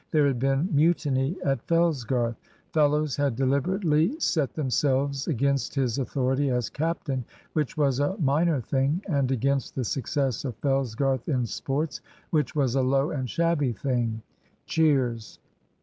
There had been mutiny at Fellsgarth. Fellows had deliberately set themselves against his authority as captain, which was a minor thing, and against the success of Fellsgarth in sports, which was a low and shabby thing. (Cheers.)